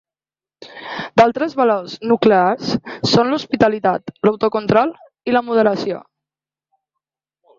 D'altres valors nuclears són l'hospitalitat l'autocontrol i la moderació.